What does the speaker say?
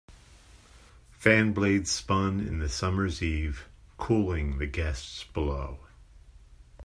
Fan blades spun in the summer's eve, cooling the guests below.